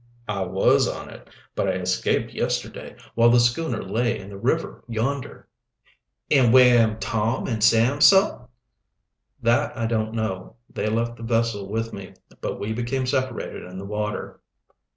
"I was on it, but I escaped yesterday, while the schooner lay in the river yonder." "An' where am Tom and Sam, sah?" "That I don't know. They left the vessel with me, but we became separated in the water."